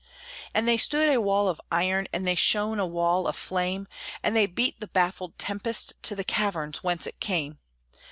And they stood a wall of iron, And they shone a wall of flame, And they beat the baffled tempest To the caverns whence it came.